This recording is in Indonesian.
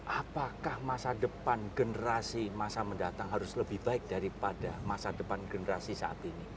apakah masa depan generasi masa mendatang harus lebih baik daripada masa depan generasi saat ini